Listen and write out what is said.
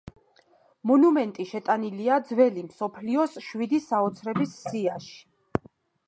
მონუმენტი შეტანილია ძველი მსოფლიოს შვიდი საოცრების სიაში.